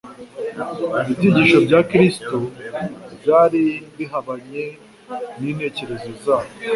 Ibyigisho bya Kristo byari bihabanye n'intekerezo zabo.